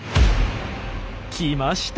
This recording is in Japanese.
来ました。